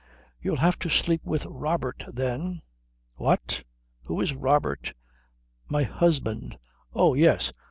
"You'll have to sleep with Robert, then." "What? Who is Robert?" "My husband." "Oh, yes.